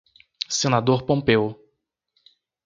Senador Pompeu